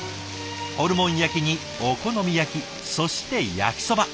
ホルモン焼きにお好み焼きそして焼きそば。